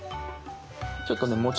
ちょっとね